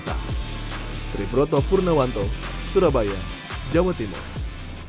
dan bekerja dengan keras setiap hari